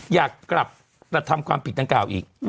อยากกลับกระทำความผิดดังกล่าวอีก